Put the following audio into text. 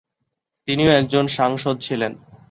তিনিও একজন সাংসদ ছিলেন।